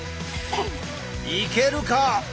いけるか！